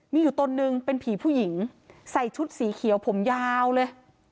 มีอยู่ตนนึงเป็นผีผู้หญิงใส่ชุดสีเขียวผมยาวเลย